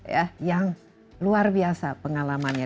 ya yang luar biasa pengalamannya